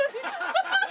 ハハハハ！